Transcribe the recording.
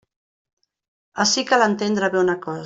Ací cal entendre bé una cosa.